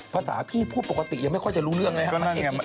ภาษาพี่ผู้ปกติไม่ค่อยจะรู้เรื่องใช่ไหม